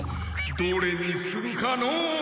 どれにするかのう。